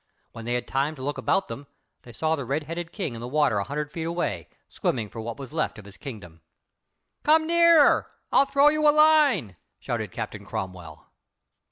When they had time to look about them they saw the red headed King in the water a hundred feet away, swimming for what was left of his kingdom. "Come nearer; I'll throw you a line," shouted Captain Cromwell.